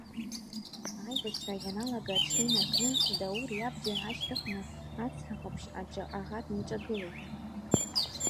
Аибашьра ианалага аҽны инаркны, Даур иабџьар аашьҭыхны Ацҳа Ҟаԥшь аҿы аӷа днеиҿагылеит.